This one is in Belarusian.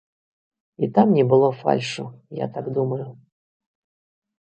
І там не было фальшу, я так думаю.